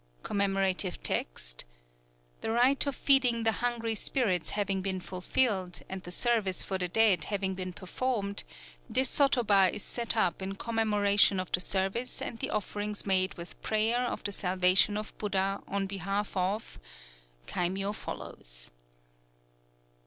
_ (Commemorative text.) The rite of feeding the hungry spirits having been fulfilled, and the service for the dead having been performed, this sotoba is set up in commemoration of the service and the offerings made with prayer for the salvation of Buddha on behalf of (kaimyō follows).